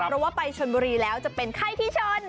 เพราะว่าไปชนบุรีแล้วจะเป็นไข้ที่ชน